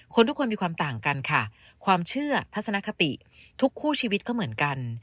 ทุกคนมีความต่างกันค่ะความเชื่อทัศนคติทุกคู่ชีวิตก็เหมือนกัน